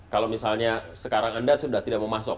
kalau misalnya sekarang anda sudah tidak mau masuk